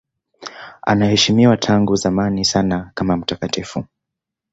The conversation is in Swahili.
Anaheshimiwa tangu zamani sana kama mtakatifu.